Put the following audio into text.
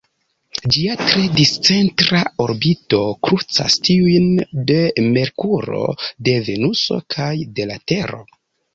Ĝia tre discentra orbito krucas tiujn de Merkuro, de Venuso kaj de la Tero.